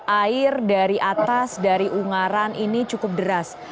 air dari atas dari ungaran ini cukup deras